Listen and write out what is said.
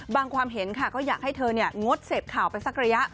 ความเห็นค่ะก็อยากให้เธองดเสพข่าวไปสักระยะ